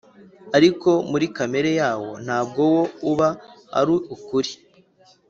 ariko muri kamere yawo ntabwo wo uba ari ukuri